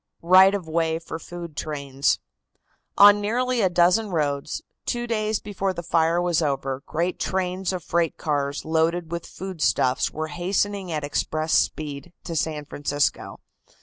RIGHT OF WAY FOR FOOD TRAINS. On nearly a dozen roads, two days before the fire was over, great trains of freight cars loaded with foodstuffs were hastening at express speed to San Francisco.